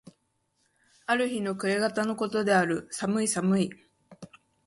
ある日の暮方の事である。寒い寒い。